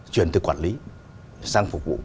chuyển từ quản lý sang phục vụ